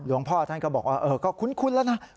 พ่อท่านก็บอกว่าก็คุ้นแล้วนะ